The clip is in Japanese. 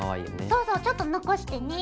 そうそうちょっと残してね。